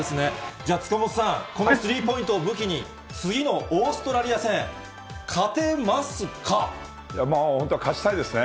じゃあ、塚本さん、このスリーポイントを武器に、次のオーストラ本当、勝ちたいですね。